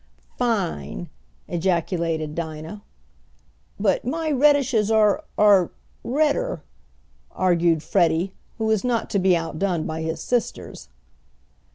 "Fine!" ejaculated Dinah. "But my redishes are are redder," argued Freddie, who was not to be outdone by his sisters.